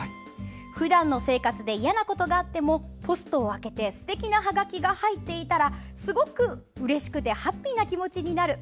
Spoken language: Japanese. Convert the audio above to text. ふだんの生活でいやなことがあってもポストを開けてすてきなはがきが入っていたらすごくうれしくてハッピーな気持ちになる。